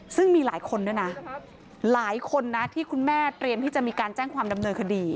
ซึ่งมีหลายคนด้วยนะหลายคนนะที่คุณแม่เตรียมที่จะมีการแจ้งความดำเนินคดี